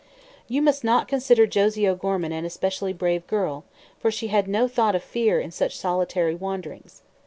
You must not consider Josie O'Gorman an especially brave girl, for she had no thought of fear in such solitary wanderings.